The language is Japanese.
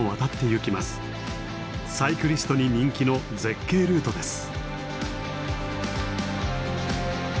サイクリストに人気の絶景ルートです。